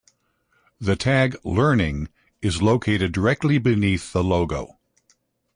The tag 'Learning' is located directly beneath the logo.